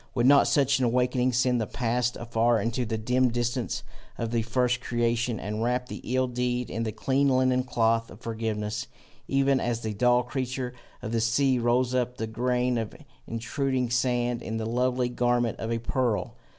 would not such an awaking send the past afar into the dim distance of the first creation, and wrap the ill deed in the clean linen cloth of forgiveness, even as the dull creature of the sea rolls up the grain of intruding sand in the lovely garment of a pearl?